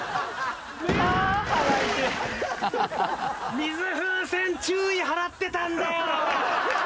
水風船注意払ってたんだよ。